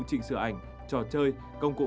chỉnh sửa ảnh trò chơi công cụ